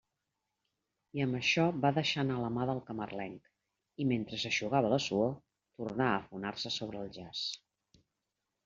I amb això va deixar anar la mà del camarlenc; i mentre s'eixugava la suor, tornà a afonar-se sobre el jaç.